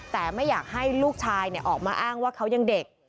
แต่ไม่อยากให้ลูกชายออกมาอ้างว่าเขายังเด็ก